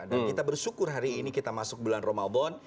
dan kita bersyukur hari ini kita masuk bulan ramadan